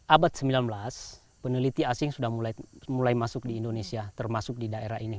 abad sembilan belas peneliti asing sudah mulai masuk di indonesia termasuk di daerah ini